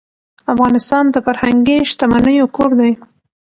افغانستان د فرهنګي شتمنیو کور دی.